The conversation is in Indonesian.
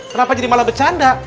kenapa jadi malah bercanda